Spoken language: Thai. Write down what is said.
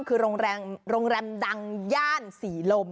คือโรงแรมดังย่านศรีลม